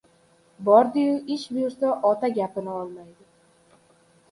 Bordi-yu, ish buyursa, ota gapini olmadi?